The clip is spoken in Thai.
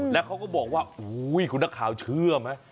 แล้วเขาก็บอกว่าคุณนักข่าวเชื่อไหม